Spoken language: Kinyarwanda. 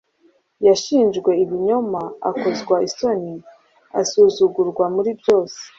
Yashinjwe ibinyoma,” “akozwa isoni”, “asuzugurwa muri byose,”